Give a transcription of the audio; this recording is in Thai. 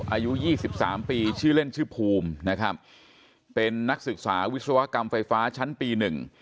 อายุยี่สิบสามปีชื่อเล่นชื่อภูมินะครับเป็นนักศึกษาวิศวกรรมไฟฟ้าชั้นปีหนึ่ง